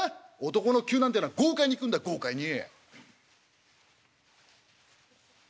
男の灸なんていうのは豪快にいくんだ豪快に」。